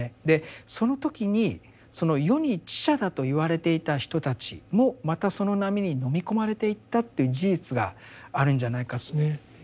でその時にその世に知者だと言われていた人たちもまたその波にのみ込まれていったという事実があるんじゃないか。